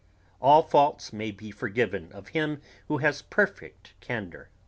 All faults may be forgiven of him who has perfect candor.